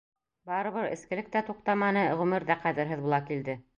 Барыбер эскелек тә туҡтаманы, ғүмер ҙә ҡәҙерһеҙ була килде.